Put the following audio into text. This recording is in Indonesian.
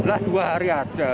lah dua hari saja